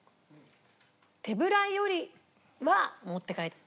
手ぶらよりは持って帰った方が。